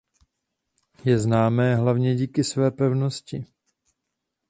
Je známé hlavně díky své pevnosti.